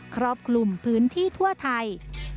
ครอบคลุมพื้นที่ทั่วไทย